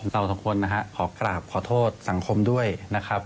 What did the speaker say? เราสองคนนะฮะขอกราบขอโทษสังคมด้วยนะครับ